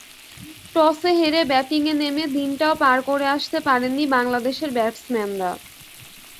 টসে হেরে ব্যাটিংয়ে নেমে দিনটাও পার করে আসতে পারেননি বাংলাদেশের ব্যাটসম্যানরা।